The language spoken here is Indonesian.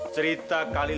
cerita kalilah dan dimna